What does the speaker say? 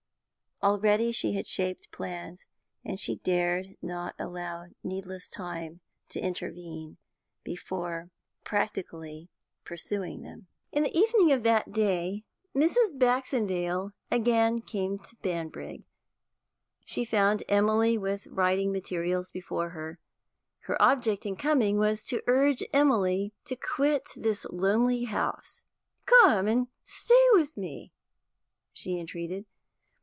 Already she had shaped plans, and she dared not allow needless time to intervene before practically pursuing them. In the evening of that day Mrs. Baxendale again came to Banbrigg. She found Emily with writing materials before her. Her object in coming was to urge Emily to quit this lonely house. 'Come and stay with me,' she entreated.